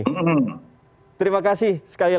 salam sehat selalu terima kasih halat ya salam sehat